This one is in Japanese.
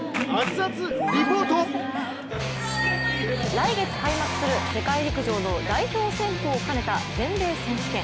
来月開幕する世界陸上の代表選考を兼ねた全米選手権。